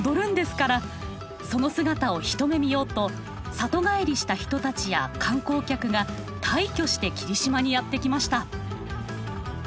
その姿を一目見ようと里帰りした人たちや観光客が大挙して霧島にやって来ました。